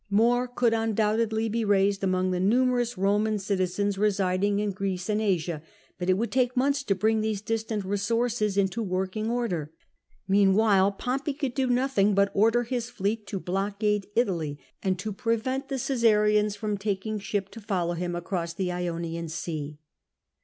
More could undoubtedly be raised among the numerous Eoinan citizens residing in Greece and Asia, but it would take months to bring these distant resources into working order. Meanwhile Pompey could do nothing but order his fleet to blockade Italy, and to prevent the Caisarians from taking ship to follow him across the Ionian Sea.